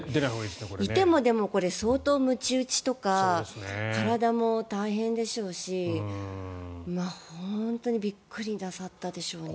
いても、相当むち打ちとか体も大変でしょうし本当にびっくりなさったでしょうね。